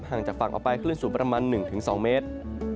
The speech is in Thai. จากฝั่งออกไปคลื่นสูงประมาณ๑๒เมตร